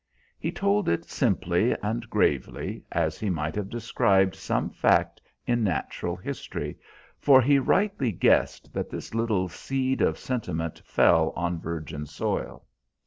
He told it simply and gravely, as he might have described some fact in natural history, for he rightly guessed that this little seed of sentiment fell on virgin soil.